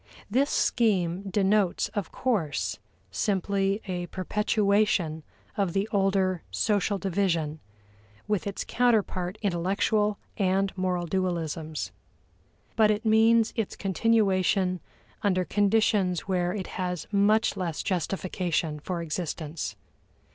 This scheme denotes, of course, simply a perpetuation of the older social division, with its counterpart intellectual and moral dualisms. But it means its continuation under conditions where it has much less justification for existence.